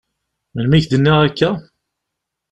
Melmi k-d-nniɣ akka?